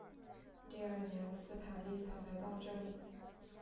第二年斯坦利才来到这里。